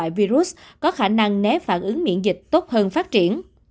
và điều có thể là một loại virus có khả năng né phản ứng miễn dịch tốt hơn phát triển